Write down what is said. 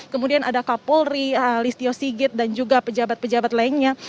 kemudian ada kapolri listio sigit dan juga pejabat pejabat lainnya